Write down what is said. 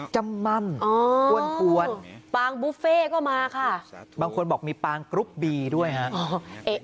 จำม่ำกวนปางบุฟเฟ่ก็มาค่ะบางคนบอกมีปางกรุ๊ปบีด้วยฮะ